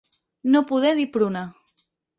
No poder dir pruna.